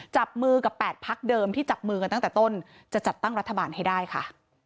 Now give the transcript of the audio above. จับมือกับ๘พักเดิมที่จับมือกันตั้งแต่ต้นจะจัดตั้งรัฐบาลให้ได้ค่ะ